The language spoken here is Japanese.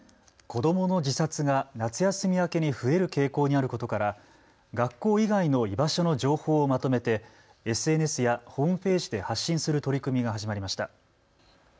子どもの自殺が夏休み明けに増える傾向にあることから学校以外の居場所の情報をまとめてＳＮＳやホームページで発信する取り組みが始まりました。